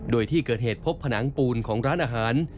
โดยที่เกิดเหตุพบผนังปูนของร้านอาหาร